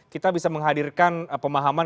kita bisa menghadirkan pemahaman